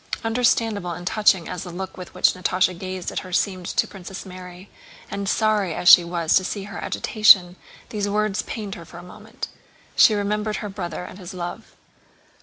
Understandable and touching as the look with which Natásha gazed at her seemed to Princess Mary, and sorry as she was to see her agitation, these words pained her for a moment. She remembered her brother and his love.